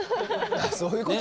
そういうこと？